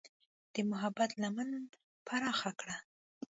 د محبت لمن پراخه کړه.